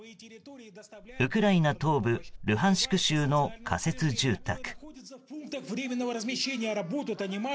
ウクライナ東部ルハンシク州の仮設住宅。